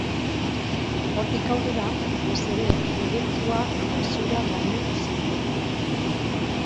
Hortik aurrera, batez ere, igeltsua eta zura landu zituen.